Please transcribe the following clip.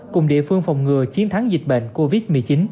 cùng địa phương phòng ngừa chiến thắng dịch bệnh covid một mươi chín